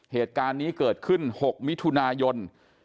เหตุการณ์นี้เกิดขึ้น๖มิถุนายน